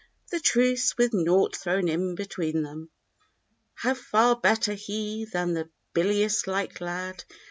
The truths, with naught thrown in between them. How far better, he, than the bilious like lad.